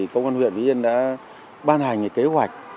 công an huyện vĩnh yên đã ban hành kế hoạch